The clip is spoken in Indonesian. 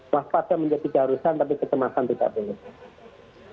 pasca menjadi jarusan tapi ketemafan tidak perlu